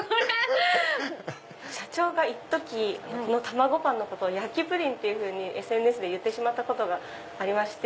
社長がいっときたまごパンのことを焼きプリンというふうにＳＮＳで言ったことがありまして。